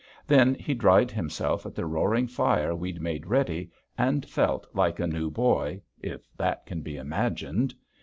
Then he dried himself at the roaring fire we'd made ready and felt like a new boy if that can be imagined.